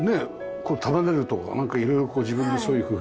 こう束ねるとかなんかいろいろこう自分で創意工夫して。